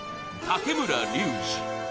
竹村竜二